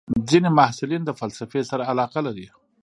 ځینې محصلین د فلسفې سره علاقه لري.